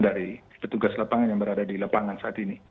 dari petugas lapangan yang berada di lapangan saat ini